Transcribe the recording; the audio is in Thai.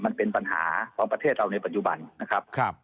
มันเป็นปัญหาของประเทศเราในปัจจุบันนะครับ